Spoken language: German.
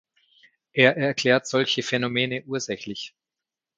Er erklärt solche Phänomene ursächlich.